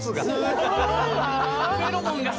すごいわ。